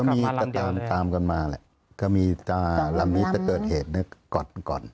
ก็มีก็ตามกันมาแหละก็มีลำนี้จะเกิดเหตุก่อน